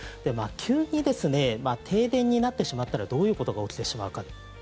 急に停電になってしまったらどういうことが起きてしまうか。